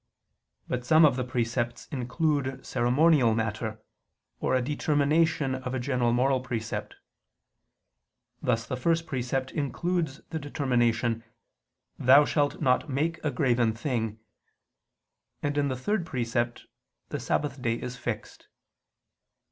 But some of the precepts include ceremonial matter, or a determination of a general moral precept; thus the first precept includes the determination, "Thou shalt not make a graven thing"; and in the third precept the Sabbath day is fixed.